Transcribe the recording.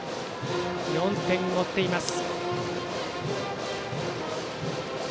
４点を追っています。